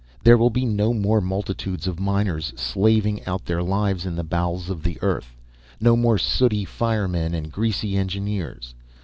There will be no more multitudes of miners slaving out their lives in the bowels of the earth, no more sooty firemen and greasy engineers.